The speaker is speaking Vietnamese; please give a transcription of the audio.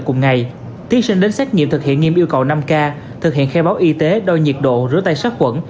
trong ngày thí sinh đến xét nghiệm thực hiện nghiệm yêu cầu năm k thực hiện khe báo y tế đo nhiệt độ rửa tay sát quẩn